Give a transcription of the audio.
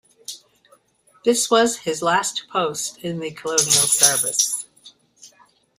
This was his last post in the Colonial Service.